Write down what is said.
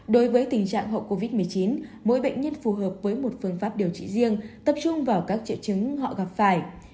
đối với tình trạng hậu covid một mươi chín mỗi bệnh nhân phù hợp với một phương pháp điều trị riêng tập trung vào các triệu chứng họ gặp phải